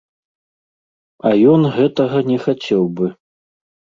А ён гэтага не хацеў бы.